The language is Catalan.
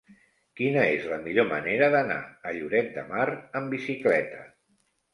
Quina és la millor manera d'anar a Lloret de Mar amb bicicleta?